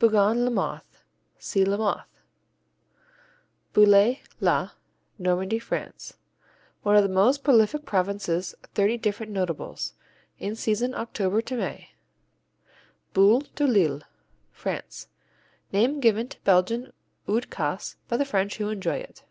Bougon Lamothe see Lamothe. Bouillé, la Normandy France One of this most prolific province's thirty different notables. In season October to May. Boule de Lille France Name given to Belgian Oude Kaas by the French who enjoy it.